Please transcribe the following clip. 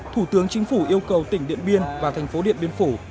thủ tướng chính phủ yêu cầu tỉnh điện biên và thành phố điện biên phủ